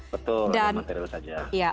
betul berarti material saja